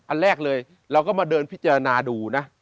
อันแรกเลยเราก็มาเดินพิจารณาดูนะ